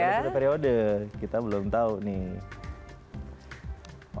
sudah satu periode kita belum tahu nih